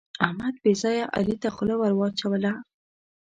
احمد بې ځایه علي ته خوله ور واچوله.